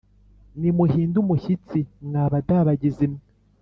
Nimuhinde umushyitsi, mwa badabagizi mwe,